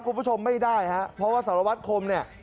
คุณผู้ชมไม่ได้เพราะว่าสารวัติคม